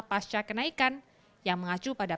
pasca kenaikan yang mengacu pada